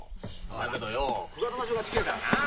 だけどよ九月場所が近えからな。